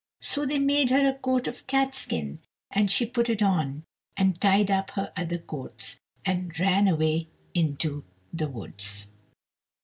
So they made her a coat of catskin; and she put it on, and tied up her other coats, and ran away into the woods.